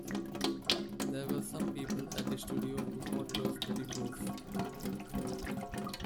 There were some people at the studio who thought it was pretty gross.